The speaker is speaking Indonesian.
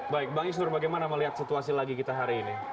baik bang isnur bagaimana melihat situasi lagi kita hari ini